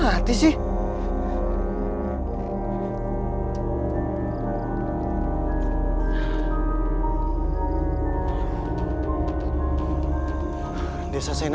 telah akan datang disanjunginomu